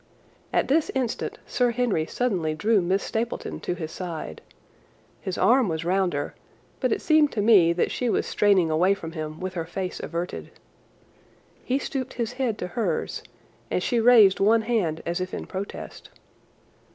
At this instant Sir Henry suddenly drew Miss Stapleton to his side. His arm was round her, but it seemed to me that she was straining away from him with her face averted. He stooped his head to hers, and she raised one hand as if in protest.